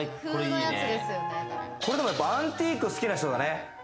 これでもやっぱアンティーク好きな人だね。